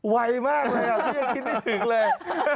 ไวมากเลยพี่ยังคิดไม่ถึงเลย